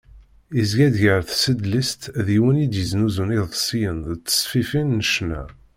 Yezga-d gar tsedlist d yiwen i yeznuzun iḍebsiyen d ttesfifin n ccna.